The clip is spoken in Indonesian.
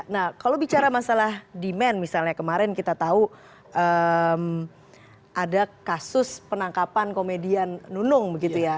nah kalau bicara masalah demand misalnya kemarin kita tahu ada kasus penangkapan komedian nunung begitu ya